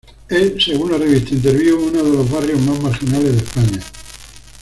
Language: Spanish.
Es, según la revista Interviú, uno de los barrios más marginales de España.